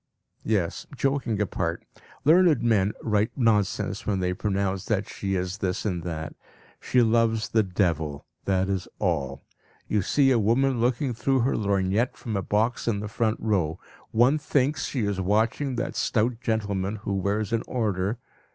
Yes, joking apart, learned men write nonsense when they pronounce that she is this and that; she loves the devil that is all. You see a woman looking through her lorgnette from a box in the front row. One thinks she is watching that stout gentleman who wears an order.